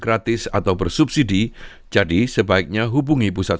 carilah pusat berenang lokal